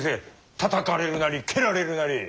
たたかれるなり蹴られるなり。